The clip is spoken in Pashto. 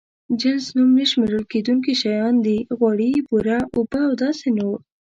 جنس نوم نه شمېرل کېدونکي شيان دي: غوړي، بوره، اوبه او داسې نور.